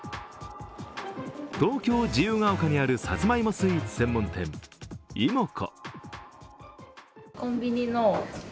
東京・自由が丘にある、さつまいもスイーツ専門店いもこ。